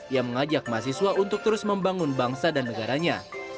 ia mengajak mahasiswa untuk terus membangun bangsa dan negaranya